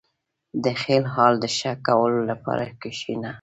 • د خپل حال د ښه کولو لپاره کښېنه.